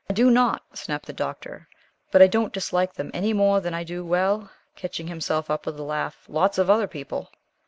"I do NOT," snapped the Doctor, "but I don't dislike them any more than I do well," catching himself up with a laugh, "lots of other people."